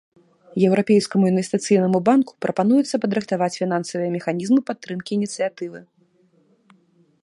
Еўрапейскаму інвестыцыйнаму банку прапануецца падрыхтаваць фінансавыя механізмы падтрымкі ініцыятывы.